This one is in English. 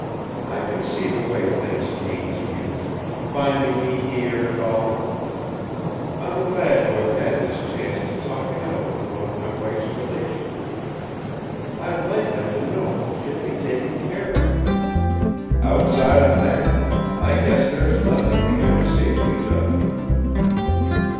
"I can see the way things came to you; finding me here, and all! I'm glad to have had this chance to talk it out with one of my wife's relations. I'd like them to know she'll be taken care of. Outside of that, I guess there is nothing we have to say to each other."